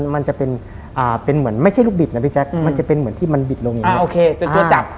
มันจะเป็นเหมือนไม่ใช่รูปบิดนะพี่แจ๊คมันจะเป็นเหมือนที่มันบิดลงอย่างนี้